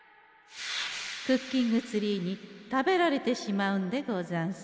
クッキングツリーに食べられてしまうんでござんす。